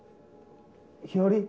・日和？